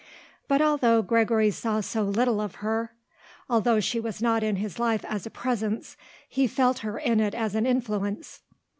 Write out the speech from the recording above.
But although Gregory saw so little of her, although she was not in his life as a presence, he felt her in it as an influence.